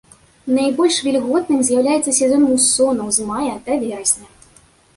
Найбольш вільготным з'яўляецца сезон мусонаў з мая да верасня.